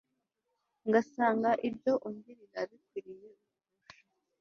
ngasanga ibyo ungirira bikwiye guhosha